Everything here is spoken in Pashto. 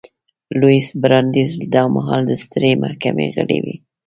لویس براندیز دا مهال د سترې محکمې غړی و.